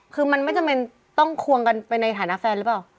คือมันไม่จำเป็นต้องควงกันไปในฐานะแฟนหรือเปล่า